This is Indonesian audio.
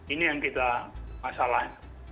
ini yang kita masalahkan